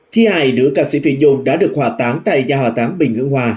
thi hài đứa ca sĩ phi nhung đã được hòa táng tại nhà hòa táng bình hương hòa